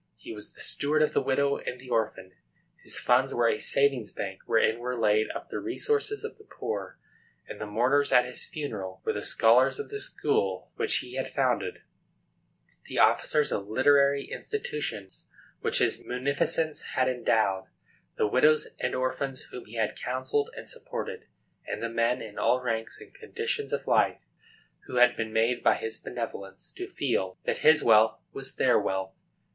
He was the steward of the widow and the orphan. His funds were a savings bank, wherein were laid up the resources of the poor; and the mourners at his funeral were the scholars of the schools which he had founded, the officers of literary institutions which his munificence had endowed, the widows and orphans whom he had counselled and supported, and the men, in all ranks and conditions of life, who had been made by his benevolence to feel that his wealth was their wealth.